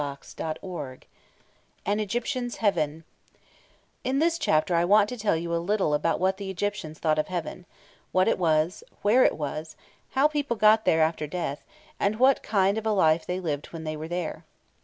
CHAPTER XIII AN EGYPTIAN'S HEAVEN In this chapter I want to tell you a little about what the Egyptians thought of heaven what it was, where it was, how people got there after death, and what kind of a life they lived when they were there.